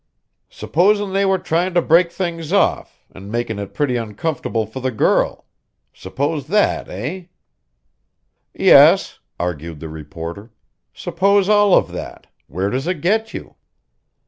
S'posin' they were trying to break things off, an' makin' it pretty uncomfortable for the girl? S'pose that, eh?" "Yes," argued the reporter. "Suppose all of that. Where does it get you?"